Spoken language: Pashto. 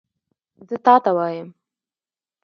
زه تا ته وایم !